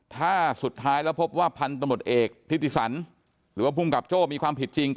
ถ้าสุดท้ายแล้วพบว่าพันธมตเอกทิติสันหรือว่าภูมิกับโจ้มีความผิดจริง